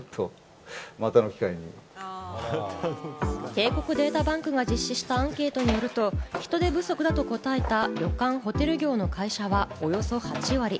帝国データバンクが実施したアンケートによると、人手不足だと答えた旅館・ホテル業の会社はおよそ８割。